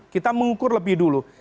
kita mengukur lebih dulu